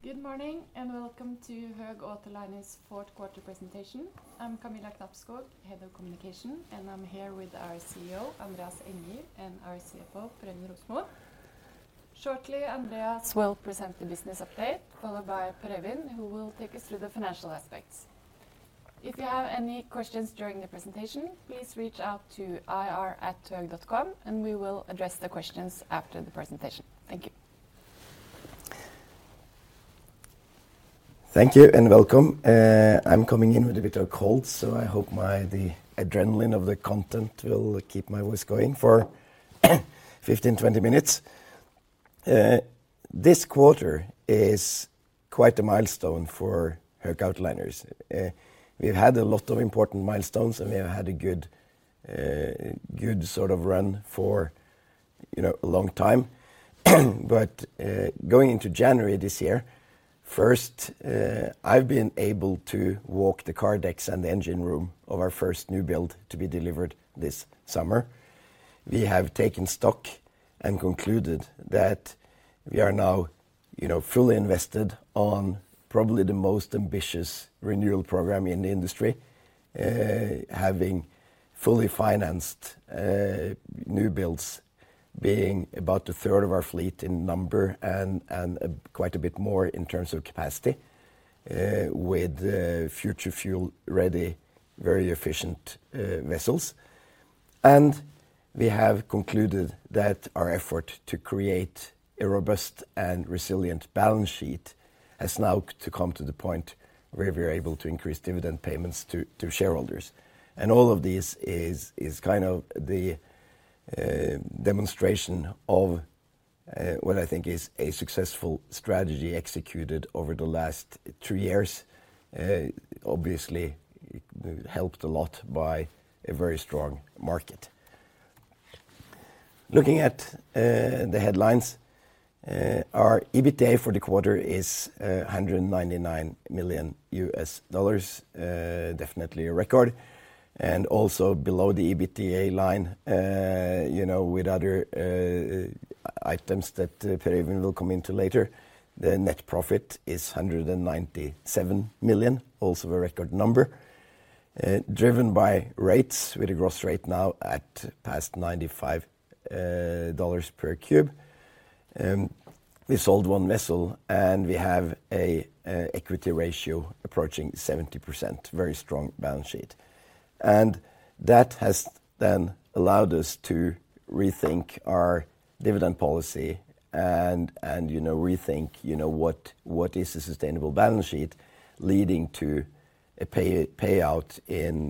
Good morning, and welcome to Höegh Autoliners Q4 presentation. I'm Camilla Knappskog, Head of Communications, and I'm here with our CEO, Andreas Enger, and our CFO, Per Øivind Rosmo. Shortly, Andreas will present the business update, followed by Per Øivind, who will take us through the financial aspects. If you have any questions during the presentation, please reach out to ir@hoegh.com, and we will address the questions after the presentation. Thank you. Thank you and welcome. I'm coming in with a bit of a cold, so I hope my- the adrenaline of the content will keep my voice going for 15, 20 minutes. This quarter is quite a milestone for Höegh Autoliners. We've had a lot of important milestones, and we have had a good, good sort of run for, you know, a long time. But, going into January this year, first, I've been able to walk the car decks and the engine room of our first new build to be delivered this summer. We have taken stock and concluded that we are now, you know, fully invested on probably the most ambitious renewal program in the industry. Having fully financed new builds, being about a third of our fleet in number and quite a bit more in terms of capacity, with future fuel-ready, very efficient vessels. We have concluded that our effort to create a robust and resilient balance sheet has now to come to the point where we're able to increase dividend payments to shareholders. All of this is kind of the demonstration of what I think is a successful strategy executed over the last 3 years, obviously helped a lot by a very strong market. Looking at the headlines, our EBITDA for the quarter is $199 million, definitely a record, and also below the EBITDA line, you know, with other items that Per Øivind will come into later. The net profit is $197 million, also a record number, driven by rates, with a gross rate now at past $95 per cube. We sold 1 vessel, and we have a equity ratio approaching 70%, very strong balance sheet. And that has then allowed us to rethink our dividend policy and, you know, rethink, you know, what, what is a sustainable balance sheet, leading to a payout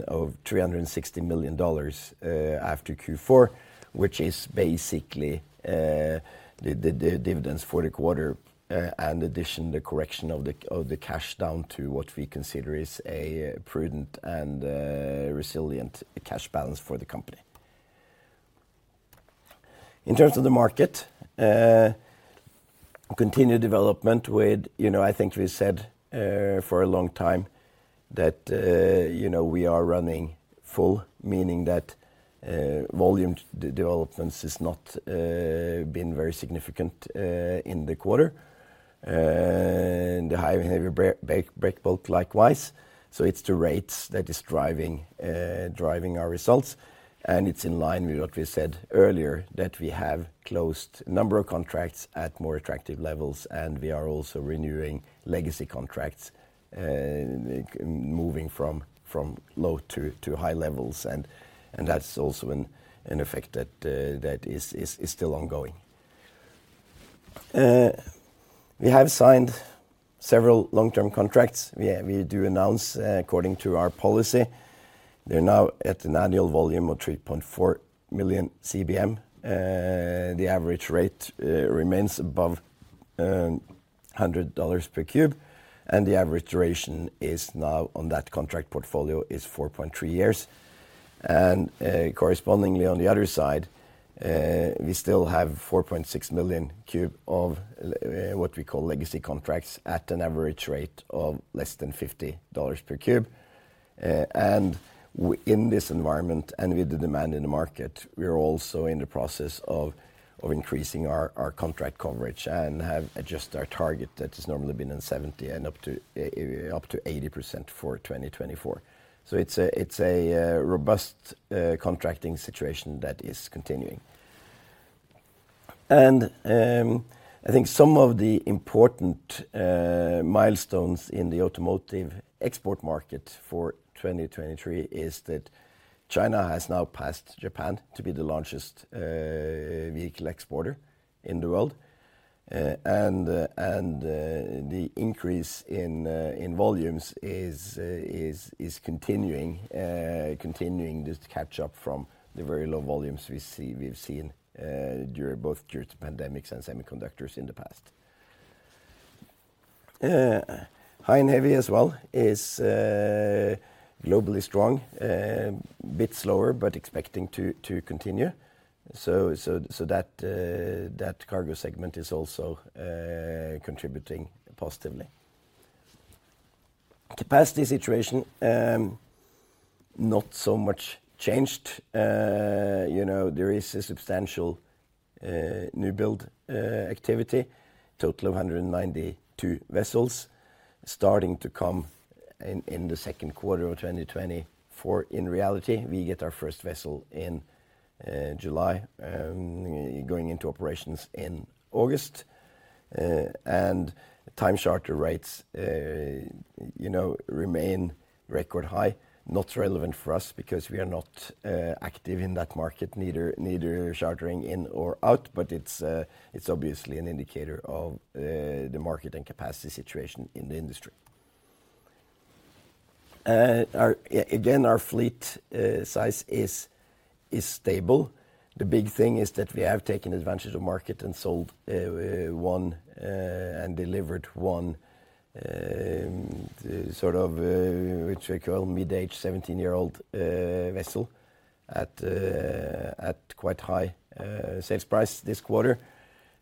of $360 million after Q4, which is basically, the dividends for the quarter, and addition, the correction of the cash down to what we consider is a prudent and resilient cash balance for the company. In terms of the market, continued development with, you know, I think we said for a long time that, you know, we are running full, meaning that volume developments has not been very significant in the quarter, and the high and heavy breakbulk, likewise. So it's the rates that is driving our results, and it's in line with what we said earlier, that we have closed a number of contracts at more attractive levels, and we are also renewing legacy contracts, moving from low to high levels. And that's also an effect that is still ongoing. We have signed several long-term contracts. We do announce, according to our policy, they're now at an annual volume of 3.4 million CBM. The average rate remains above $100 per cube, and the average duration is now on that contract portfolio is 4.3 years. Correspondingly, on the other side, we still have 4.6 million cube of what we call legacy contracts at an average rate of less than $50 per cube. In this environment, and with the demand in the market, we are also in the process of increasing our contract coverage and have adjusted our target that has normally been in 70%-80% for 2024. So it's a robust contracting situation that is continuing. I think some of the important milestones in the automotive export market for 2023 is that China has now passed Japan to be the largest vehicle exporter in the world. And the increase in volumes is continuing this catch-up from the very low volumes we've seen during both due to pandemics and semiconductors in the past. High and heavy as well is globally strong, a bit slower, but expecting to continue. So that cargo segment is also contributing positively. Capacity situation not so much changed. You know, there is a substantial new build activity, total of 192 vessels starting to come in, in the Q2 of 2024. In reality, we get our first vessel in July, going into operations in August. And time charter rates, you know, remain record high. Not relevant for us because we are not active in that market, neither chartering in or out, but it's obviously an indicator of the market and capacity situation in the industry. Our again, our fleet size is stable. The big thing is that we have taken advantage of market and sold 1 and delivered 1, sort of what we call mid-age, 17-year-old vessel at quite high sales price this quarter.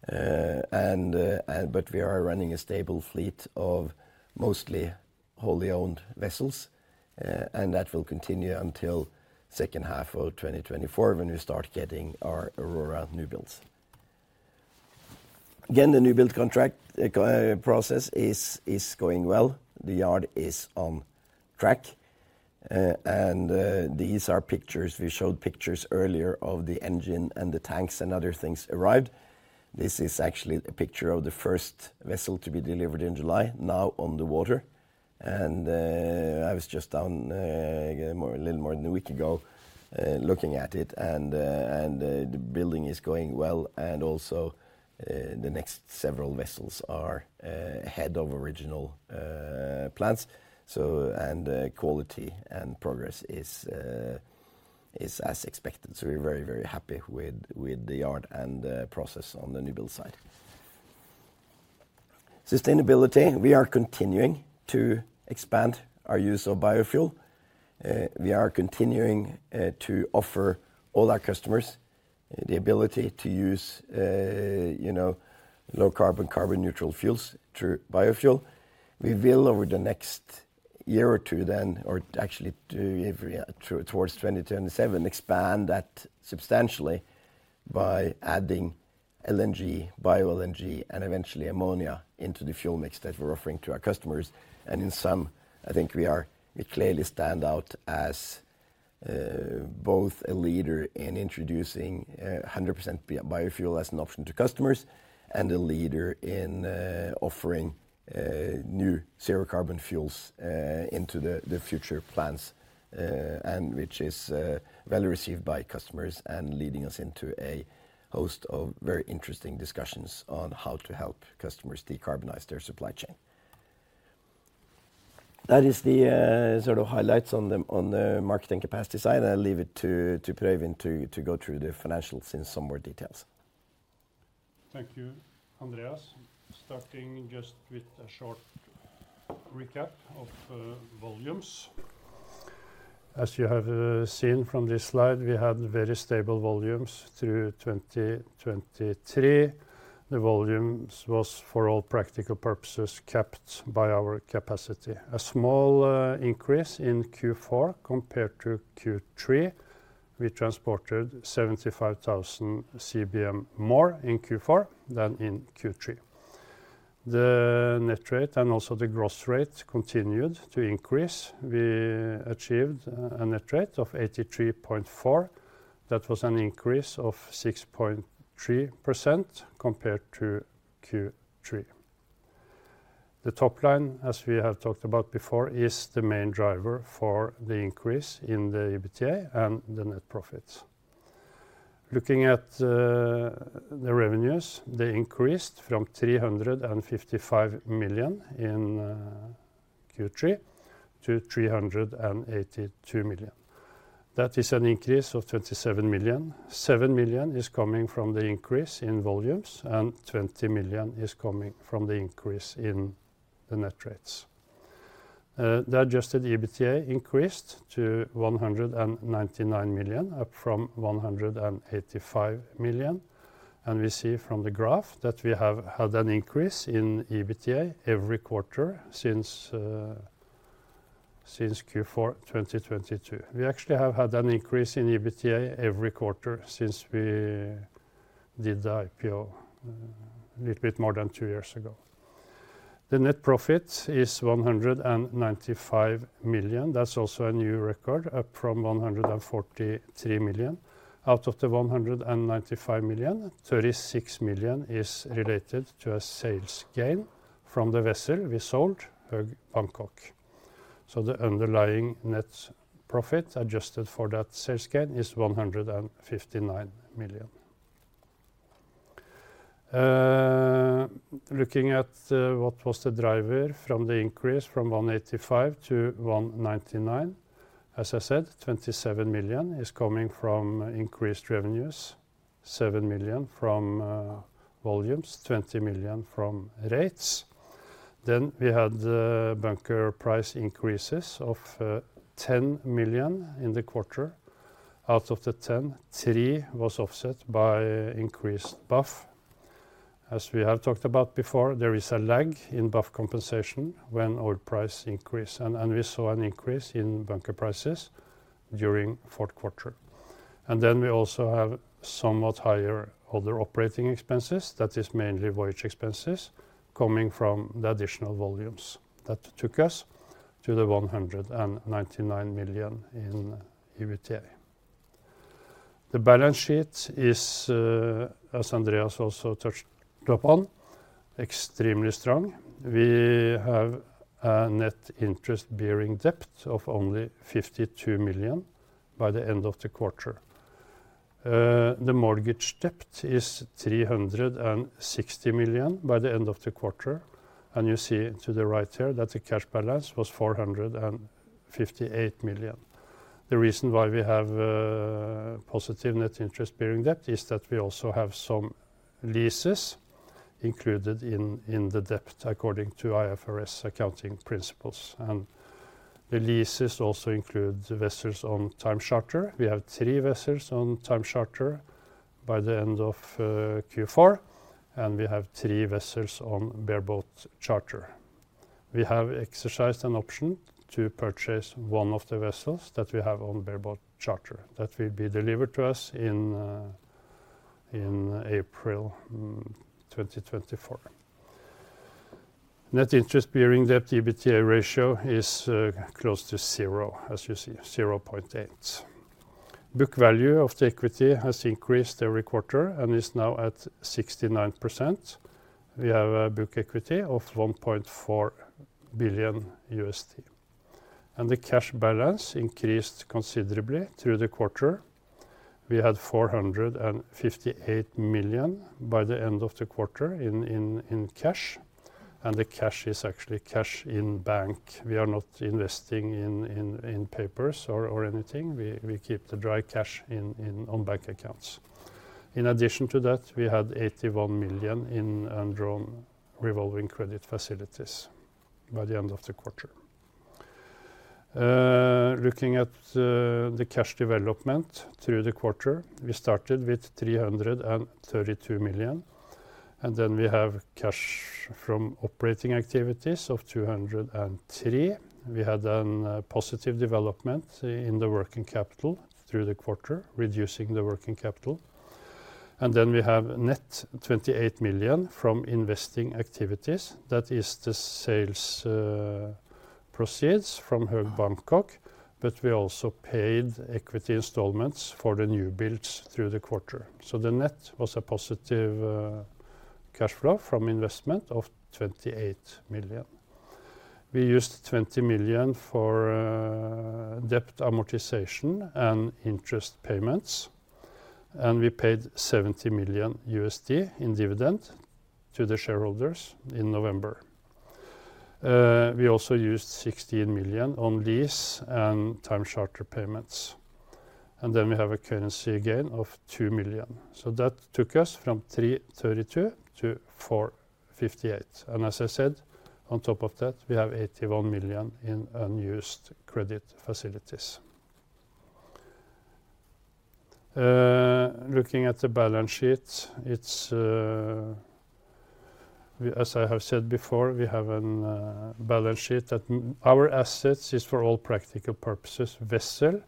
And but we are running a stable fleet of mostly wholly owned vessels, and that will continue until H2 of 2024 when we start getting our Aurora newbuilds. Again, the newbuild contract process is going well. The yard is on track. These are pictures. We showed pictures earlier of the engine and the tanks and other things arrived. This is actually a picture of the first vessel to be delivered in July, now on the water. I was just down a little more than a week ago looking at it, and the building is going well, and also the next several vessels are ahead of original plans. So, quality and progress is as expected. So we're very, very happy with the yard and the process on the newbuild side. Sustainability, we are continuing to expand our use of biofuel. We are continuing to offer all our customers the ability to use, you know, low carbon, carbon neutral fuels through biofuel. We will, over the next year or 2 then, or actually, towards 2027, expand that substantially by adding LNG, bio LNG, and eventually ammonia into the fuel mix that we're offering to our customers. And in some, I think we clearly stand out as both a leader in introducing 100% biofuel as an option to customers, and a leader in offering new 0 carbon fuels into the future plans, and which is well received by customers and leading us into a host of very interesting discussions on how to help customers decarbonize their supply chain. That is the sort of highlights on the market and capacity side. I'll leave it to Per Øivind to go through the financials in some more details. Thank you, Andreas. Starting just with a short recap of volumes. As you have seen from this slide, we had very stable volumes through 2023. The volumes was, for all practical purposes, kept by our capacity. A small increase in Q4 compared to Q3. We transported 75,000 CBM more in Q4 than in Q3. The net rate and also the gross rate continued to increase. We achieved a net rate of 83.4. That was an increase of 6.3% compared to Q3. The top line, as we have talked about before, is the main driver for the increase in the EBITDA and the net profits. Looking at the revenues, they increased from $355 million in Q3 to $382 million. That is an increase of $27 million. $7 million is coming from the increase in volumes, and $20 million is coming from the increase in the net rates. The adjusted EBITDA increased to $199 million, up from $185 million, and we see from the graph that we have had an increase in EBITDA every quarter since Q4 2022. We actually have had an increase in EBITDA every quarter since we did the IPO, a little bit more than 2 years ago. The net profit is $195 million. That's also a new record, up from $143 million. Out of the $195 million, $36 million is related to a sales gain from the vessel we sold, Höegh Bangkok. So the underlying net profit, adjusted for that sales gain, is $159 million. Looking at what was the driver from the increase from 185 to 199, as I said, $27 million is coming from increased revenues, $7 million from volumes, $20 million from rates. Then we had the bunker price increases of $10 million in the quarter. Out of the $10 million, $3 million was offset by increased BAF. As we have talked about before, there is a lag in BAF compensation when oil price increase, and we saw an increase in bunker prices during Q4. And then we also have somewhat higher other operating expenses. That is mainly voyage expenses coming from the additional volumes that took us to the $199 million in EBITDA. The balance sheet is, as Andreas also touched upon, extremely strong. We have a net interest-bearing debt of only $52 million by the end of the quarter. The mortgage debt is $360 million by the end of the quarter, and you see to the right here that the cash balance was $458 million. The reason why we have positive net interest-bearing debt is that we also have some leases included in the debt, according to IFRS accounting principles, and the leases also include the vessels on time charter. We have 3 vessels on time charter by the end of Q4, and we have 3 vessels on bareboat charter. We have exercised an option to purchase one of the vessels that we have on bareboat charter. That will be delivered to us in April 2024. Net interest-bearing debt/EBITDA ratio is close to 0, as you see, 0.8. Book value of the equity has increased every quarter and is now at 69%. We have a book equity of $1.4 billion, and the cash balance increased considerably through the quarter. We had $458 million by the end of the quarter in cash, and the cash is actually cash in bank. We are not investing in papers or anything. We keep the dry cash on bank accounts. In addition to that, we had $81 million in undrawn revolving credit facilities by the end of the quarter. Looking at the cash development through the quarter, we started with $332 million, and then we have cash from operating activities of $203 million. We had then a positive development in the working capital through the quarter, reducing the working capital. We have net $28 million from investing activities. That is the sales proceeds from Höegh Bangkok, but we also paid equity installments for the new builds through the quarter. So the net was a positive cash flow from investment of $28 million. We used $20 million for debt amortization and interest payments, and we paid $70 million in dividend to the shareholders in November. We also used $16 million on lease and time charter payments, and then we have a currency gain of $2 million. So that took us from $332 million to $458 million, and as I said, on top of that, we have $81 million in unused credit facilities. Looking at the balance sheet, it's... As I have said before, we have a balance sheet that our assets is, for all practical purposes, vessels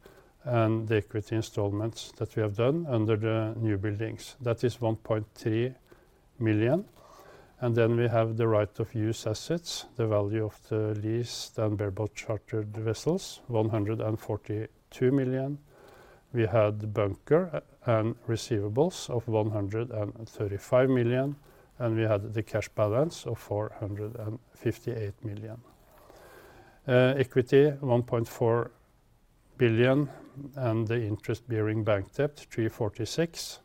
and the equity installments that we have done under the new buildings. That is $1.3 million, and then we have the right of use assets, the value of the leased and bareboat chartered vessels, $142 million. We had bunkers and receivables of $135 million, and we had the cash balance of $458 million. Equity, $1.4 billion, and the interest-bearing bank debt, $346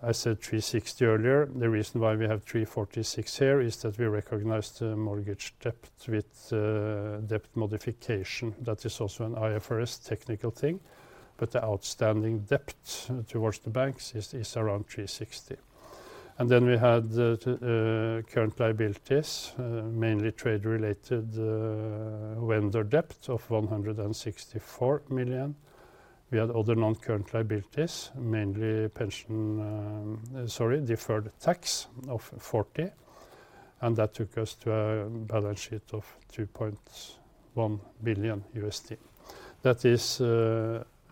million. I said $360 million earlier. The reason why we have $346 million here is that we recognized the mortgage debt with debt modification. That is also an IFRS technical thing, but the outstanding debt towards the banks is around $360 million. Then we had the current liabilities, mainly trade-related vendor debt of $164 million. We had other non-current liabilities, mainly pension. Sorry, deferred tax of $40 million, and that took us to a balance sheet of $2.1 billion. That is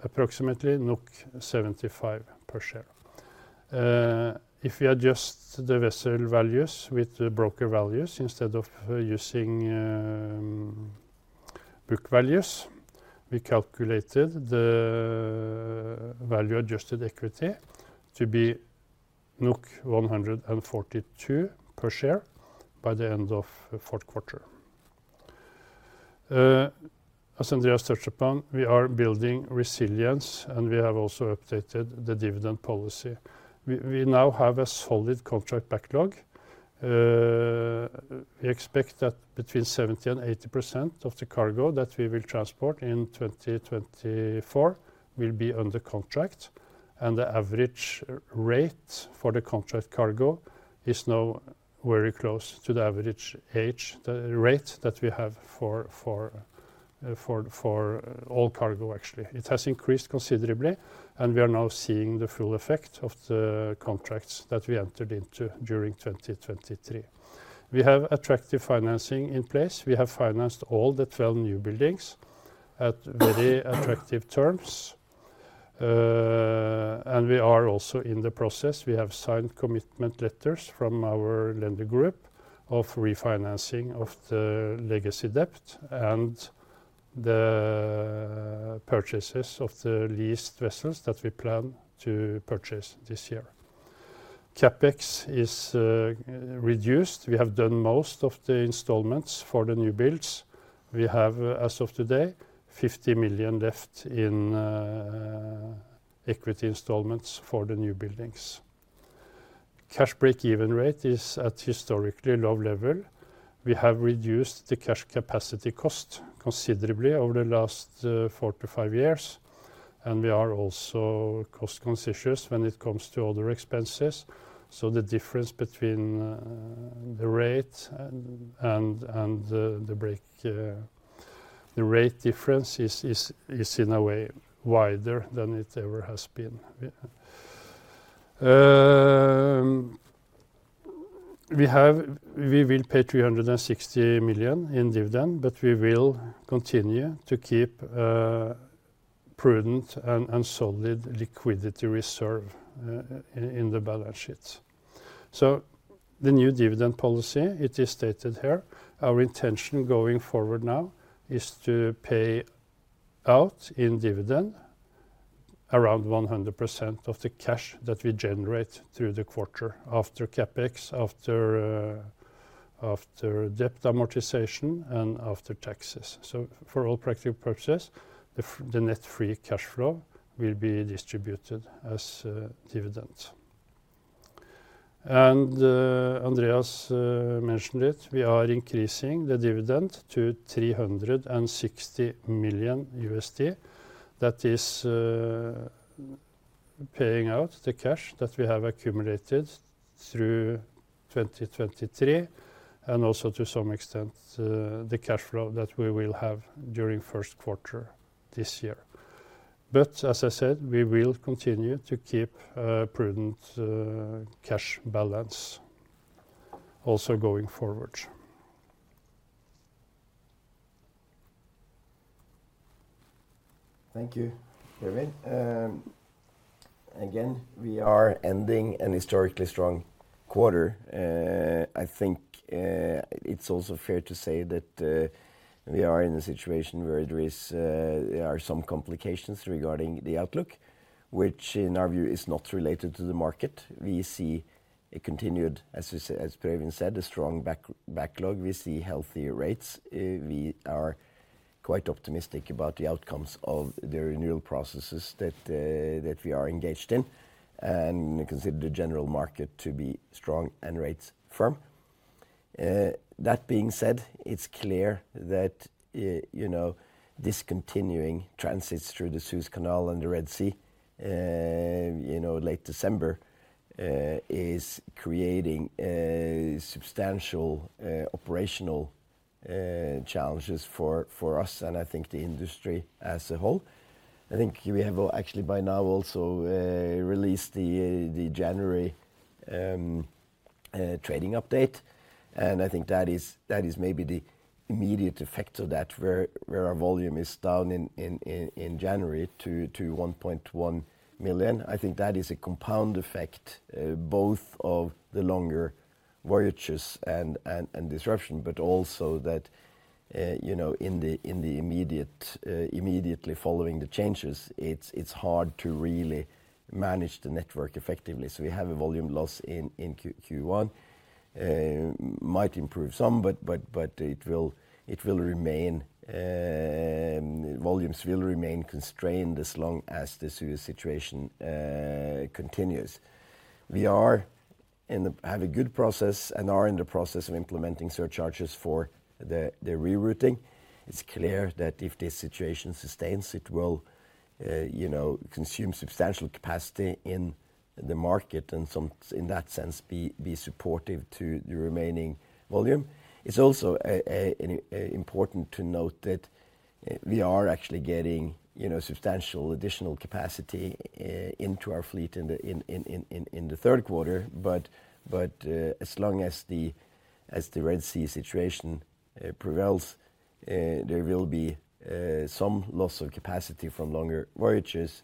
approximately 75 per share. If you adjust the vessel values with the broker values instead of using book values, we calculated the value-adjusted equity to be 142 per share by the end of the Q4. As Andreas touched upon, we are building resilience, and we have also updated the dividend policy. We now have a solid contract backlog. We expect that between 70% and 80% of the cargo that we will transport in 2024 will be under contract, and the average rate for the contract cargo is now very close to the average rate that we have for all cargo, actually. It has increased considerably, and we are now seeing the full effect of the contracts that we entered into during 2023. We have attractive financing in place. We have financed all the 12 new buildings at very attractive terms. And we are also in the process. We have signed commitment letters from our lender group of refinancing of the legacy debt and the purchases of the leased vessels that we plan to purchase this year. CapEx is reduced. We have done most of the installments for the new builds. We have, as of today, $50 million left in equity installments for the new buildings. Cash break-even rate is at historically low level. We have reduced the cash capacity cost considerably over the last 4-5 years, and we are also cost conscious when it comes to other expenses, so the difference between the rate and the break-even rate is in a way wider than it ever has been. We will pay $360 million in dividend, but we will continue to keep prudent and solid liquidity reserve in the balance sheet. So the new dividend policy, it is stated here, our intention going forward now is to pay out in dividend around 100% of the cash that we generate through the quarter, after CapEx, after debt amortization, and after taxes. So for all practical purposes, the net free cash flow will be distributed as dividend. And Andreas mentioned it, we are increasing the dividend to $360 million. That is paying out the cash that we have accumulated through 2023, and also to some extent the cash flow that we will have during Q1 this year. But as I said, we will continue to keep a prudent cash balance also going forward. Thank you, Per Øivind. Again, we are ending a historically strong quarter. I think it's also fair to say that we are in a situation where there are some complications regarding the outlook, which in our view is not related to the market. We see a continued, as we said, as Per Øivind said, a strong backlog. We see healthy rates. We are quite optimistic about the outcomes of the renewal processes that we are engaged in and consider the general market to be strong and rates firm. That being said, it's clear that, you know, discontinuing transits through the Suez Canal and the Red Sea, you know, late December, is creating substantial operational challenges for us, and I think the industry as a whole. I think we have actually by now also released the January trading update, and I think that is maybe the immediate effect of that, where our volume is down in January to 1.1 million. I think that is a compound effect both of the longer voyages and disruption, but also that, you know, in the immediate immediately following the changes, it's hard to really manage the network effectively. So we have a volume loss in Q1. Might improve some, but it will remain, volumes will remain constrained as long as the Suez situation continues. We have a good process and are in the process of implementing surcharges for the rerouting. It's clear that if this situation sustains, it will, you know, consume substantial capacity in the market, and, in that sense, be supportive to the remaining volume. It's also an important to note that we are actually getting, you know, substantial additional capacity into our fleet in the Q3. But, as long as the Red Sea situation prevails, there will be some loss of capacity from longer voyages.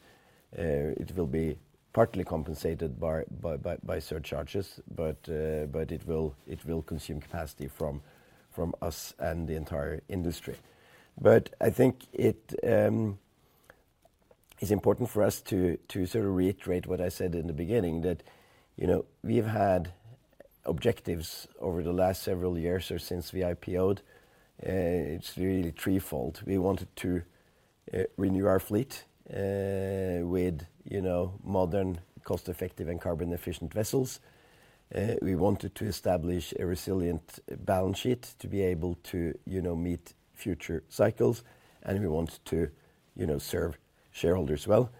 It will be partly compensated by surcharges, but it will consume capacity from us and the entire industry. But I think it is important for us to sort of reiterate what I said in the beginning, that, you know, we've had objectives over the last several years or since we IPO'd, it's really threefold. We wanted to renew our fleet with, you know, modern, cost-effective, and carbon-efficient vessels. We wanted to establish a resilient balance sheet to be able to, you know, meet future cycles, and we wanted to, you know, serve shareholders well....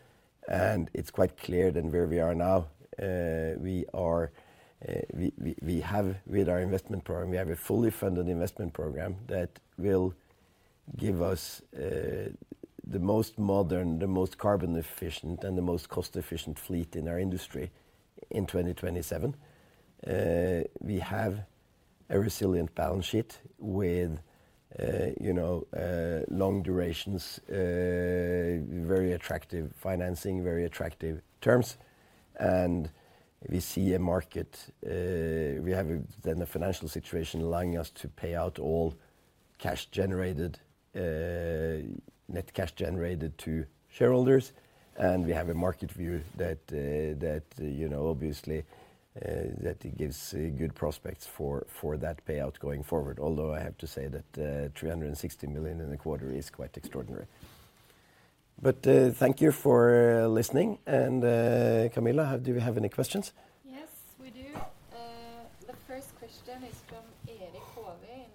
and it's quite clear that where we are now, we have with our investment program, we have a fully funded investment program that will give us the most modern, the most carbon efficient, and the most cost-efficient fleet in our industry in 2027. We have a resilient balance sheet with, you know, long durations, very attractive financing, very attractive terms. We see a market—we have then a financial situation allowing us to pay out all cash generated, net cash generated to shareholders, and we have a market view that, that, you know, obviously, that it gives, good prospects for, for that payout going forward. Although I have to say that, three hundred and sixty million in a quarter is quite extraordinary. But, thank you for listening. And, Camilla, do you have any questions? Yes, we do. The first question is from Erik Hovi in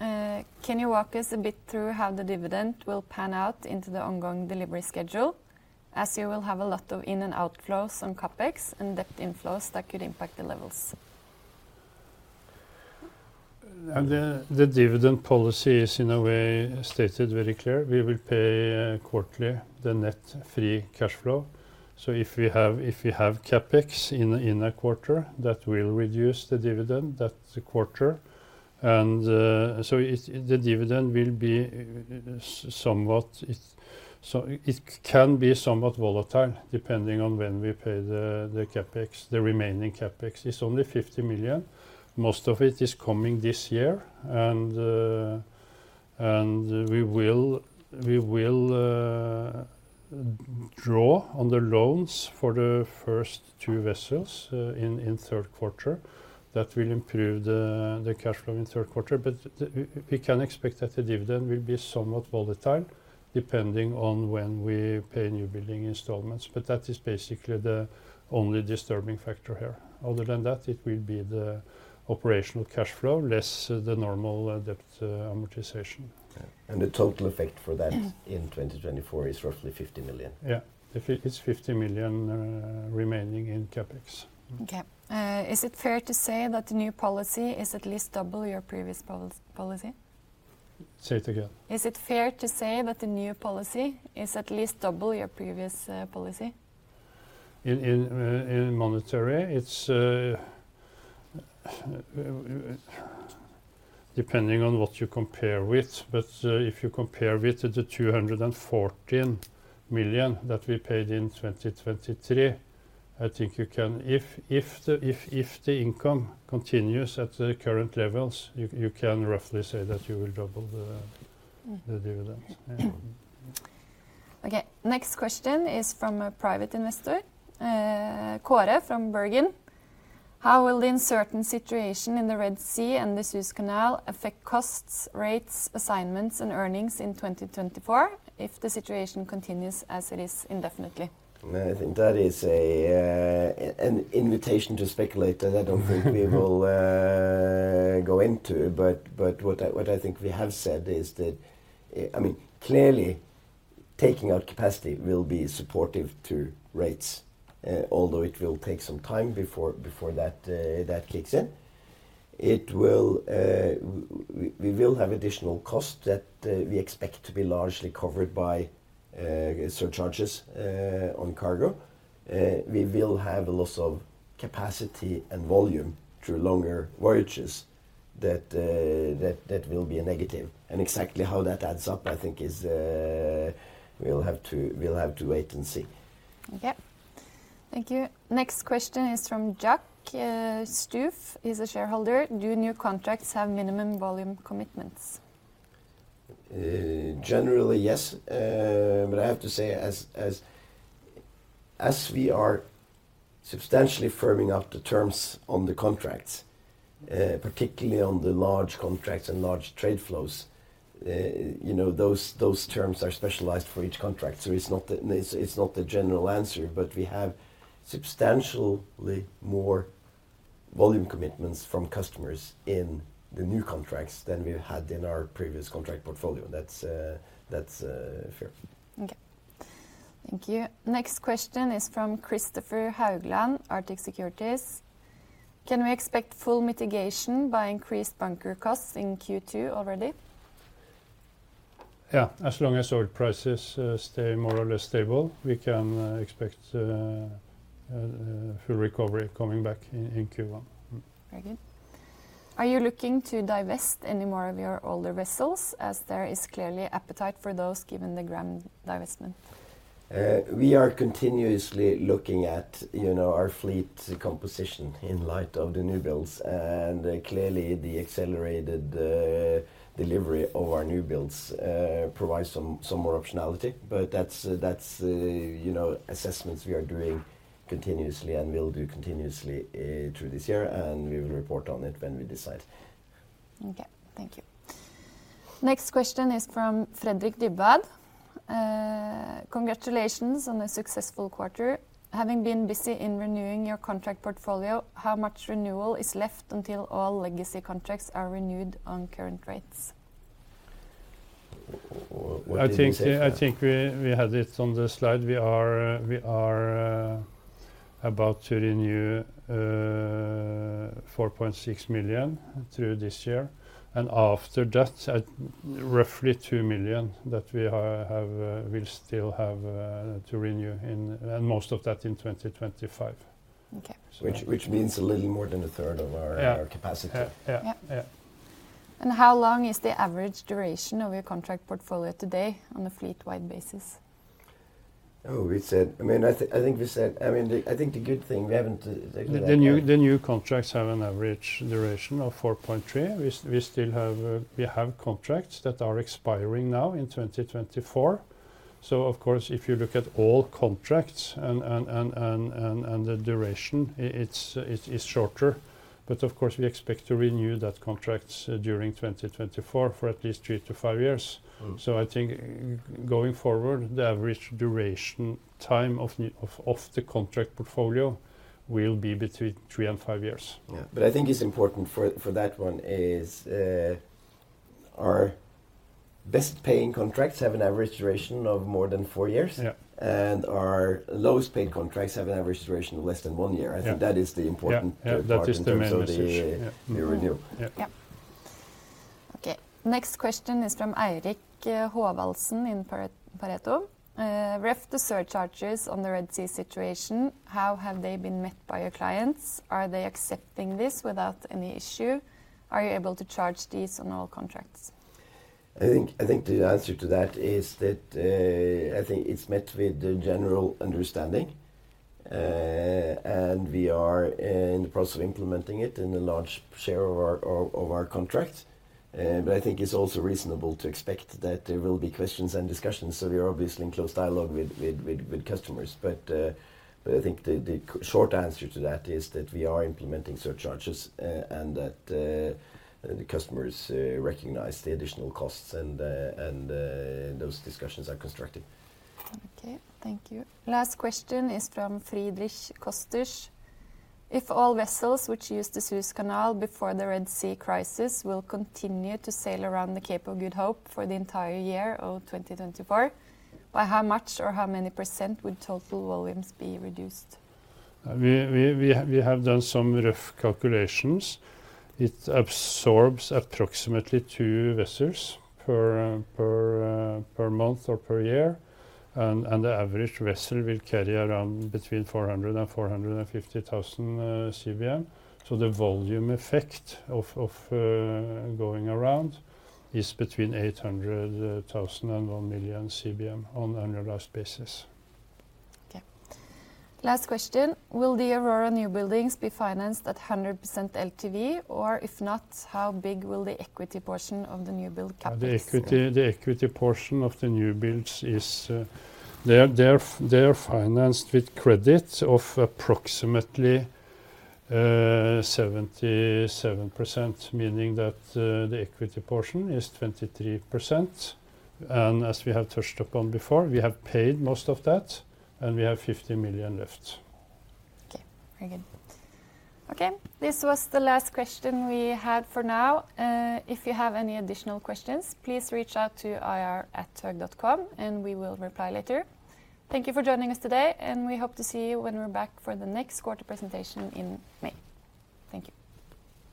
Nordea. Can you walk us a bit through how the dividend will pan out into the ongoing delivery schedule, as you will have a lot of in and outflows on CapEx and debt inflows that could impact the levels? The dividend policy is, in a way, stated very clear. We will pay quarterly the net free cash flow. So if we have CapEx in a quarter, that will reduce the dividend, that's a quarter. And so the dividend will be somewhat. So it can be somewhat volatile, depending on when we pay the CapEx. The remaining CapEx is only $50 million. Most of it is coming this year, and we will draw on the loans for the first 2 vessels in Q3. That will improve the cash flow in Q3, but we can expect that the dividend will be somewhat volatile, depending on when we pay new building installments, but that is basically the only disturbing factor here. Other than that, it will be the operational cash flow, less the normal debt, amortization. Yeah. And the total effect for that- Mm-hmm in 2024 is roughly $50 million. Yeah. It's $50 million remaining in CapEx. Okay. Is it fair to say that the new policy is at least double your previous policy? Say it again. Is it fair to say that the new policy is at least double your previous policy? In monetary, it's depending on what you compare with, but if you compare with the $214 million that we paid in 2023, I think you can... If the income continues at the current levels, you can roughly say that you will double the dividends. Okay, next question is from a private investor, Kåre from Bergen: How will the uncertain situation in the Red Sea and the Suez Canal affect costs, rates, assignments, and earnings in 2024 if the situation continues as it is indefinitely? I think that is an invitation to speculate that I don't think we will go into, but what I think we have said is that, I mean, clearly, taking out capacity will be supportive to rates, although it will take some time before that kicks in. It will, we will have additional costs that we expect to be largely covered by surcharges on cargo. We will have a loss of capacity and volume through longer voyages that will be a negative. And exactly how that adds up, I think, is we'll have to wait and see. Okay. Thank you. Next question is from Jack Sjuve. He's a shareholder: Do new contracts have minimum volume commitments? Generally, yes. But I have to say, as we are substantially firming up the terms on the contracts, particularly on the large contracts and large trade flows, you know, those terms are specialized for each contract. So it's not the general answer, but we have substantially more volume commitments from customers in the new contracts than we had in our previous contract portfolio. That's fair. Okay. Thank you. Next question is from Kristoffer Haugland, Arctic Securities: Can we expect full mitigation by increased bunker costs in Q2 already? Yeah, as long as oil prices stay more or less stable, we can expect full recovery coming back in Q1. Mm. Very good. Are you looking to divest any more of your older vessels, as there is clearly appetite for those, given the Gram divestment? We are continuously looking at, you know, our fleet composition in light of the new builds. And clearly, the accelerated delivery of our new builds provides some more optionality. But that's, you know, assessments we are doing continuously and will do continuously through this year, and we will report on it when we decide. Okay, thank you. Next question is from Fredrik Dybwad. Congratulations on a successful quarter. Having been busy in renewing your contract portfolio, how much renewal is left until all legacy contracts are renewed on current rates?... I think, I think we, we had it on the slide. We are, we are, about to renew $4.6 million through this year, and after that, at roughly $2 million that we have, will still have, to renew, and, and most of that in 2025. Okay. Which means a little more than a third of our- Yeah... capacity. Yeah. Yeah. Yeah. How long is the average duration of your contract portfolio today on a fleet-wide basis? Oh, we said. I mean, I think we said—I mean, I think the good thing, we haven't looked at that yet. The new contracts have an average duration of 4.3. We still have contracts that are expiring now in 2024, so of course, if you look at all contracts and the duration, it is shorter. But of course, we expect to renew that contracts during 2024 for at least 3-5 years. Mm. So I think going forward, the average duration time of the contract portfolio will be between 3 and 5 years. Yeah. But I think it's important for that one is, our best paying contracts have an average duration of more than 4 years. Yeah. Our lowest paid contracts have an average duration of less than 1 year. Yeah. I think that is the important- Yeah... part in terms of the- That is the main message.... the renew. Yeah. Yeah. Okay, next question is from Eirik Haavaldsen in Pareto. Ref the surcharges on the Red Sea situation, how have they been met by your clients? Are they accepting this without any issue? Are you able to charge these on all contracts? I think, I think the answer to that is that, I think it's met with the general understanding, and we are in the process of implementing it in a large share of our contracts. But I think it's also reasonable to expect that there will be questions and discussions, so we are obviously in close dialogue with customers. But I think the short answer to that is that we are implementing surcharges, and that the customers recognize the additional costs and those discussions are constructive. Okay, thank you. Last question is from Friedrich Kösters. If all vessels which used the Suez Canal before the Red Sea crisis will continue to sail around the Cape of Good Hope for the entire year of 2024, by how much or how many % would total volumes be reduced? We have done some rough calculations. It absorbs approximately 2 vessels per month or per year, and the average vessel will carry around between 400,000-450,000 CBM. So the volume effect of going around is between 800,000-1,000,000 CBM on an annualized basis. Okay. Last question: Will the Aurora new buildings be financed at 100% LTV? Or if not, how big will the equity portion of the new build capital be? The equity, the equity portion of the new builds is, they are financed with credit of approximately 77%, meaning that the equity portion is 23%. And as we have touched upon before, we have paid most of that, and we have $50 million left. Okay, very good. Okay, this was the last question we had for now. If you have any additional questions, please reach out to ir@hoegh.com, and we will reply later. Thank you for joining us today, and we hope to see you when we're back for the next quarter presentation in May. Thank you.